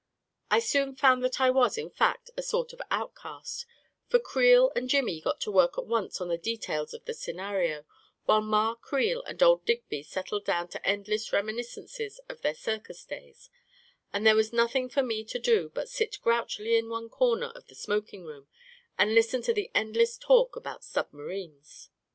I soon found that I was, in fact, a sort of outcast; for Creel and Jimmy got to work at once on the details of the scenario, while Ma Creel and old Digby settled down to endless reminiscences of their circus days; and there was nothing for me to do but sit grouchily in one corner of the smoking room, and listen to the endless talk about submarines.